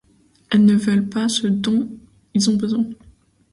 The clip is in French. Et ne veulent pas ce dont ils ont besoin.